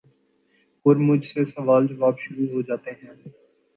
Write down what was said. اور مجھ سے سوال جواب شروع ہو جاتے ہیں ۔